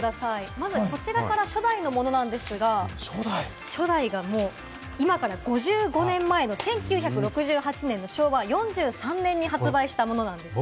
まずこちらから初代のものなんですが、今から５５年前の１９６８年、昭和４３年に発売したものなんですね。